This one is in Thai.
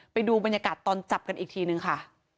ไปดูบรรยากาศตอนจับกันอีกทีนึงค่ะ